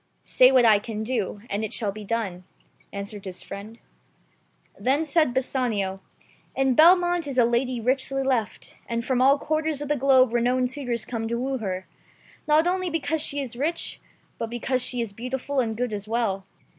"Say what I can do, and it shall be done," answered his friend. Then said Bassanio, "In Belmont is a lady richly left, and from all quarters of the globe renowned suitors come to woo her, not only because she is rich, but because she is beautiful and good as well.